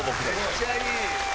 めっちゃいい！